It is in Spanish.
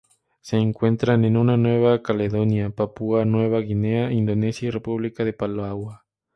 Se encuentran en Nueva Caledonia, Papúa Nueva Guinea, Indonesia y República de Palau.